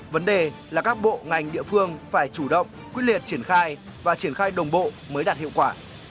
vấn đề là các bộ ngành địa phương phải chủ động quyết liệt triển khai và triển khai đồng bộ mới đạt hiệu quả